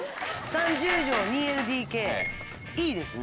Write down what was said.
３０畳２ＬＤＫいいですね。